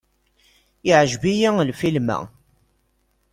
Iɛǧeb-iyi lfilm-a.